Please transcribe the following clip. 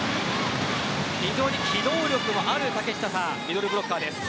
非常に機動力のあるミドルブロッカーです。